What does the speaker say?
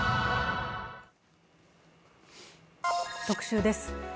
特集です。